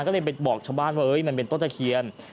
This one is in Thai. ก็เลยไปบอกชาวบ้านว่ามันเป็นต้นตะเคียน